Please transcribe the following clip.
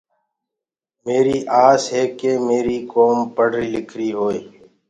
ميري آس هي ڪي ميري ڪوم پڙريٚ لکريٚ هوئي۔